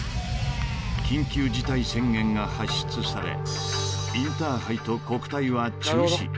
［緊急事態宣言が発出されインターハイと国体は中止］